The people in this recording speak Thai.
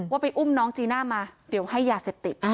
ว่าไปอุ้มน้องจีน่ามาเดี๋ยวให้ยาเสพติด